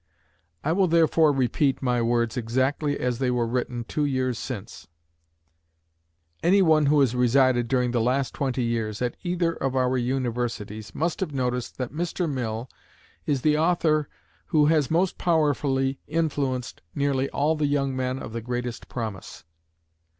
I will therefore repeat my words exactly as they were written two years since: 'Any one who has resided during the last twenty years at either of our universities must have noticed that Mr. Mill is the author who has most powerfully influenced nearly all the young men of the greatest promise.'